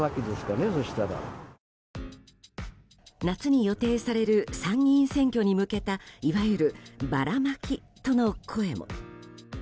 夏に予定されている参議院選挙に向けたいわゆる、ばらまきとの声も。